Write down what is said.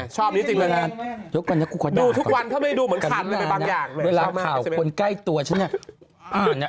ชอบดูวันเขาไม่ดูเหมือนคันอย่างเวลาคราวคนใกล้ตัวฉันเนี่ย